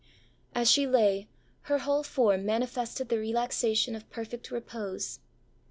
As she lay, her whole form manifested the relaxation of perfect repose.